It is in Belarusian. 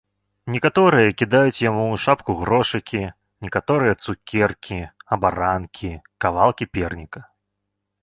Некаторыя кідаюць яму ў шапку грошыкі, некаторыя цукеркі, абаранкі, кавалкі перніка.